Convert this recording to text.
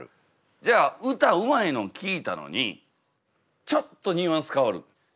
じゃあ歌うまいの聴いたのにちょっとニュアンス変わる。